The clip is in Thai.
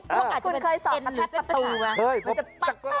ว่าอาจจะเป็นเอ็นหรือเส้นประตูมั้ย